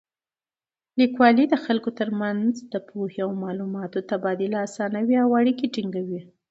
لیکوالی د خلکو تر منځ د پوهې او معلوماتو تبادله اسانوي او اړیکې ټینګوي.